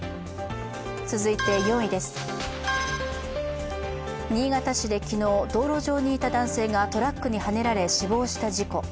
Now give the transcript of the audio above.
続いて４位です、新潟市で昨日道路上にいた男性がトラックにはねられ死亡した事故。